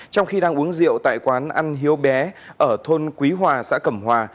trong khi đang uống rượu tại quán ăn hiếu bé ở thôn quý hòa xã cẩm hòa